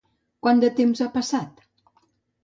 Quant de temps ha passat?